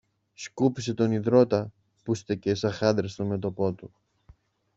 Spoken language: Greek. σκούπισε τον ιδρώτα που έστεκε σα χάντρες στο μέτωπο του.